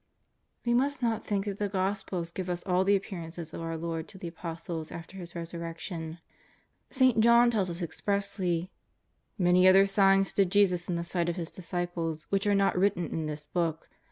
We must not think that the Gospels cive us all the Appearances of our Lord to the Apostles after His Res urrection. St. John tells us expressly: " Many other signs did eJesus in the sight of His dis ciples which are not written in this book.